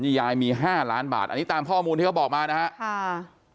ยายมี๕ล้านบาทอันนี้ตามข้อมูลที่เขาบอกมานะฮะค่ะ